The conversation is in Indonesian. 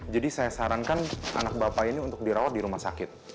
jadi saya sarankan anak bapak ini untuk dirawat di rumah sakit